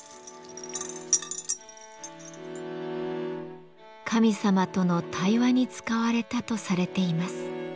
神様との対話に使われたとされています。